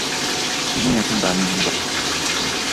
তিনি এখন বার্মিংহাম এ বসবাস করেন তার নতুন স্বামীর সাথে।